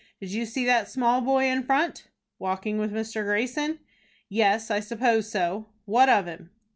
Did you see that small boy in front?" "Walking with Mr. Greyson?" "Yes, I suppose so." "What of him?"